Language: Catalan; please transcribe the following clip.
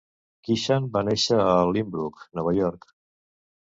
Keeshan va néixer a Lynbrook, Nova York.